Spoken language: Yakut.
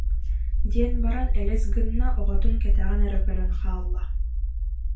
диэн баран элэс гынна, оҕотун кэтэҕин эрэ көрөн хаалла